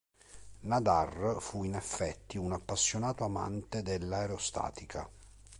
Nadar fu in effetti un appassionato amante dell'aerostatica.